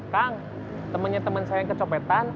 kang temennya temen saya kecopetan